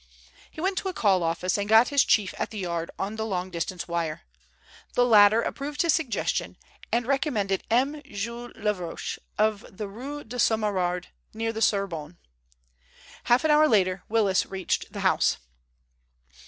He went to a call office and got his chief at the Yard on the long distance wire. The latter approved his suggestion, and recommended M. Jules Laroche of the Rue du Sommerard near the Sorbonne. Half an hour later Willis reached the house.